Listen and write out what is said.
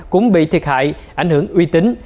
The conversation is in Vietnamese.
cũng bị thiệt hại ảnh hưởng uy tín